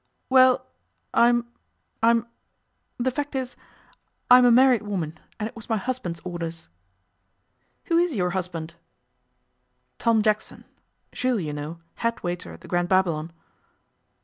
'Well, I'm I'm the fact is, I'm a married woman, and it was my husband's orders.' 'Who is your husband?' 'Tom Jackson Jules, you know, head waiter at the Grand Babylon.